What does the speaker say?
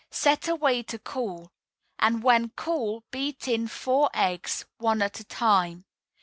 Set away to cool; and when cool, beat in four eggs, one at a time.